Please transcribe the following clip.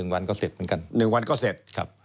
๑วันก็เสร็จเหมือนกัน